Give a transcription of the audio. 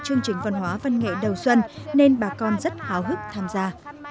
chương trình văn hóa văn nghệ đầu xuân nên bà con rất háo hức tham gia